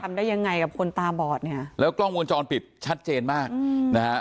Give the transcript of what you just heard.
ได้ยังไงกับคนตาบอดเนี่ยแล้วกล้องวงจรปิดชัดเจนมากอืมนะฮะ